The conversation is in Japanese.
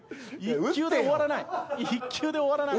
１球で終わらない。